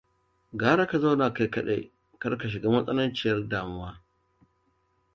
Gara ka zauna kai kaɗai kar ka shiga matsananciyar damuwa.